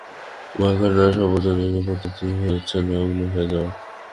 ভয় কাটানোর সর্বজনস্বীকৃত পদ্ধতি হচ্ছে নগ্ন হয়ে যাওয়া।